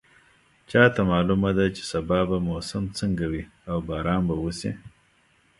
چا ته معلومه ده چې سبا به موسم څنګه وي او باران به وشي